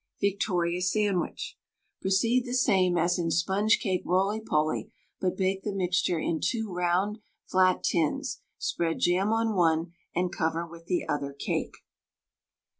VICTORIA SANDWICH. Proceed the same as in "Sponge Cake Roly Poly," but bake the mixture in 2 round, flat tins; spread jam on one, and cover with the other cake.